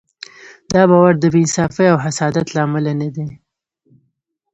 دا باور د بې انصافۍ او حسادت له امله نه دی.